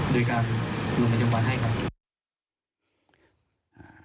โดยการลงบันทึกจำวันให้กัน